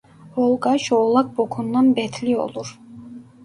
Olgaç oğlak bokundan betli olur.